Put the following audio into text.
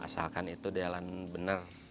asalkan itu dalam benar